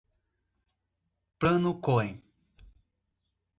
Plano Cohen